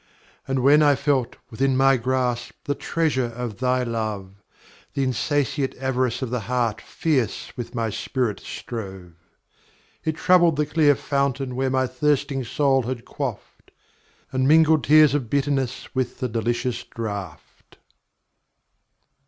And when I felt within my grasp, The treasure of thy love; The insatiate avarice of the heart Fierce with my spirit strove.It troubled the clear fountain where My thirsting soul had quaffed, And mingled tears of bitterness With the delicious draught.